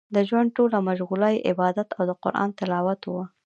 د ژوند ټوله مشغولا يې عبادت او د قران تلاوت و.